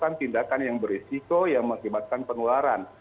tidak boleh melakukan tindakan yang berisiko yang mengakibatkan penularan